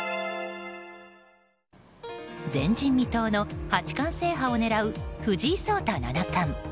前人未到の八冠制覇を狙う藤井聡太七冠。